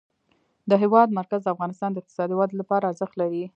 د هېواد مرکز د افغانستان د اقتصادي ودې لپاره ارزښت لري.